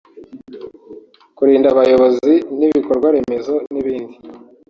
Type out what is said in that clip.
kurinda abayobozi n’ibikorwaremezo n’ibindi